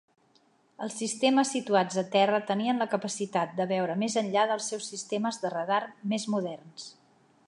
Els sistemes situats a terra tenien la capacitat de veure més enllà dels seus sistemes de radar més moderns.